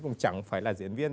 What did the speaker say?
cũng chẳng phải là diễn viên